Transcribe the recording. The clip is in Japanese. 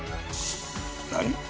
何？